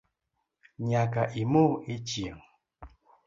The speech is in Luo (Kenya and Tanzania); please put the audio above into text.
Nyaka imo echieng